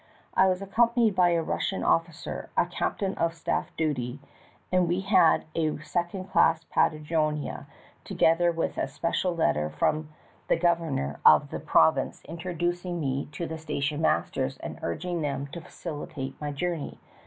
I was accompanied by a Russian officer, a captain on staff dut}^ and we had a second class paderojnia, together with a special letter from the governor of the province introduc ing me to the station masters, and urging them to facilitate my journey.